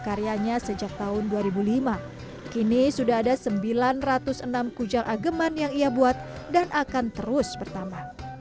karyanya sejak tahun dua ribu lima kini sudah ada sembilan ratus enam kujang ageman yang ia buat dan akan terus bertambah